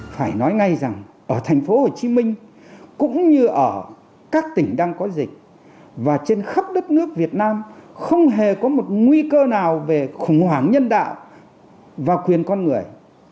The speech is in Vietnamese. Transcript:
phải nói ngay rằng ở thành phố hồ chí minh cũng như ở các tỉnh đang có dịch và trên khắp đất nước việt nam không hề có một nguy cơ nào về khủng hoảng nhân đạo và quyền con người